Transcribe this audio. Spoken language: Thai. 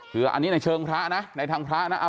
คืออันนี้ในเชิงพระนะในทางพระนะ